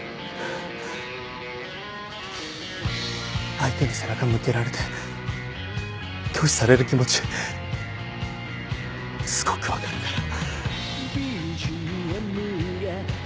相手に背中向けられて拒否される気持ちすごく分かるから。